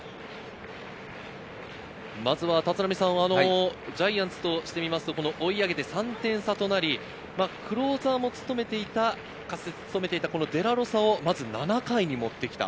まずは立浪さん、ジャイアンツとしてみると追い上げて３点差となり、クローザーも務めていったデラロサをまず７回に持ってきた。